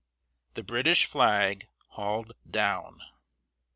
THE BRITISH FLAG HAULED DOWN.